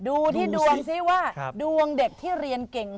ดูที่ดวงซิว่าดวงเด็กที่เรียนเก่ง